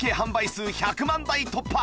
数１００万台突破！